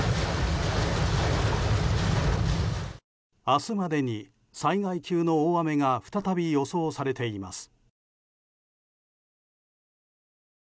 明日までに災害級の大雨が再び予想されています。